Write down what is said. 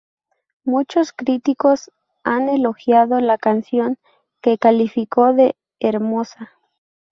Muchos críticos han elogiado la canción, que calificó de "hermosa".